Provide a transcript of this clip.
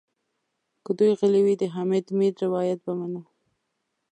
که دوی غلي وي د حامد میر روایت به منو.